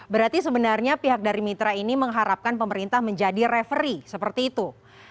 berarti sebenarnya pihak dari mitra ini mengharapkan pemerintah menjadi referee seperti itu